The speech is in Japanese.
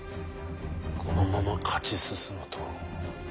このまま勝ち進むと。